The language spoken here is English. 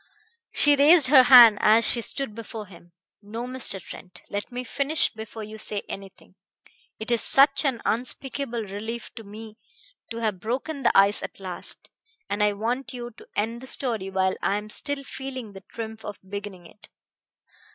She raised her hand as she stood before him. "No, Mr. Trent, let me finish before you say anything. It is such an unspeakable relief to me to have broken the ice at last, and I want to end the story while I am still feeling the triumph of beginning it."